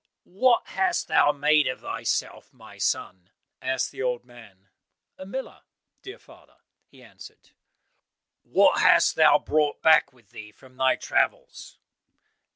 "What hast thou made of thyself, my son?" asked the old man. "A miller," dear father, he answered. "What hast thou brought back with thee from thy travels?"